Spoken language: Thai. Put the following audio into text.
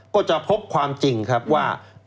ก็จะพบความจริงครับว่า